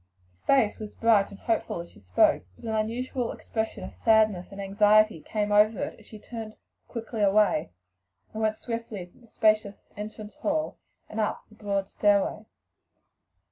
The face was bright and hopeful as she spoke, but an unwonted expression of sadness and anxiety came over it as she turned quickly away and went swiftly through the spacious entrance hall and up the broad stairway.